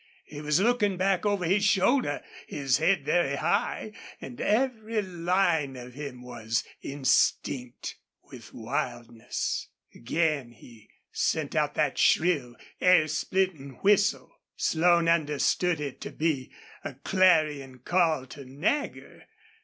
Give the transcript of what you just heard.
He was looking back over his shoulder, his head very high, and every line of him was instinct with wildness. Again he sent out that shrill, air splitting whistle. Slone understood it to be a clarion call to Nagger.